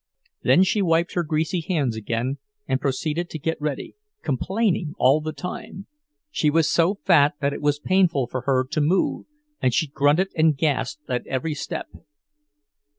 Then she wiped her greasy hands again and proceeded to get ready, complaining all the time; she was so fat that it was painful for her to move, and she grunted and gasped at every step.